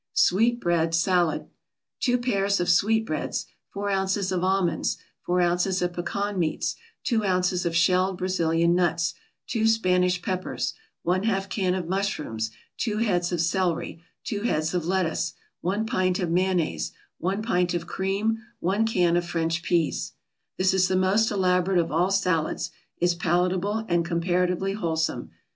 SWEETBREAD SALAD 2 pairs of sweetbreads 4 ounces of almonds 4 ounces of pecan meats 2 ounces of shelled Brazilian nuts 2 Spanish peppers 1/2 can of mushrooms 2 heads of celery 2 heads of lettuce 1 pint of mayonnaise 1 pint of cream 1 can of French peas This is the most elaborate of all salads, is palatable and comparatively wholesome.